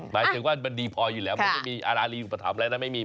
หมายถึงว่ามันดีพออยู่แล้วมันไม่มีอารารีอุปถัมภ์อะไรนะไม่มี